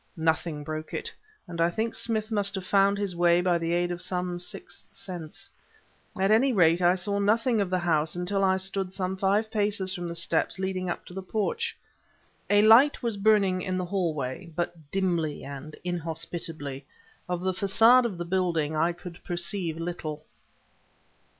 Nothing broke it, and I think Smith must have found his way by the aid of some sixth sense. At any rate, I saw nothing of the house until I stood some five paces from the steps leading up to the porch. A light was burning in the hallway, but dimly and inhospitably; of the facade of the building I could perceive little.